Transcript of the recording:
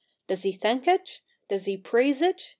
Does he thank it ? does he praise it